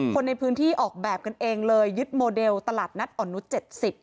คนในพื้นที่ออกแบบกันเองเลยยึดโมเดลตลาดนัดอ่อนนุษย๗๐